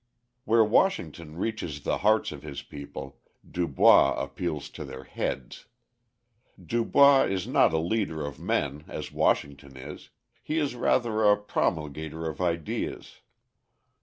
Where Washington reaches the hearts of his people, Du Bois appeals to their heads. Du Bois is not a leader of men, as Washington is: he is rather a promulgator of ideas.